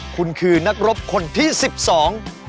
คุณคือนักรบคนที่สิบสอง